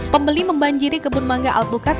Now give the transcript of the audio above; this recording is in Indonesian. pembeli membanjiri kebun mangga alpukat